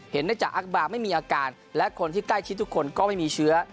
ได้จากอักบาร์ไม่มีอาการและคนที่ใกล้ชิดทุกคนก็ไม่มีเชื้อ